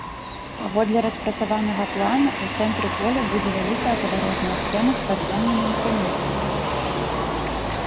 Паводле распрацаванага плану, у цэнтры поля будзе вялікая паваротная сцэна з пад'ёмнымі механізмамі.